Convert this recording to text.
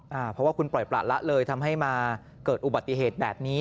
เพราะว่าคุณปล่อยประละเลยทำให้มาเกิดอุบัติเหตุแบบนี้